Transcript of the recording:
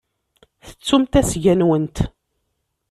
Tettumt asga-nwent.